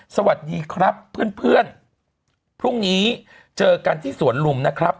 สวัสดีครับเพื่อนพรุ่งนี้เจอกันที่สวนลุม